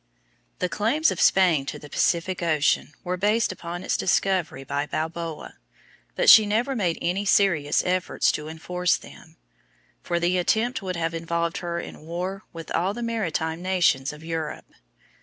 The claims of Spain to the Pacific Ocean were based upon its discovery by Balboa, but she never made any serious efforts to enforce them, for the attempt would have involved her in war with all the maritime nations of Europe.